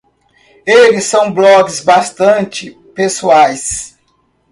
Eles são blogs bastante pessoais.